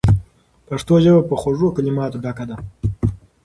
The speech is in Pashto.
پښتو ژبه په خوږو کلماتو ډکه ده.